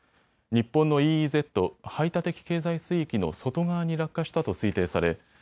日本のＥＥＺ・排他的経済水域の外側に落下したと推定され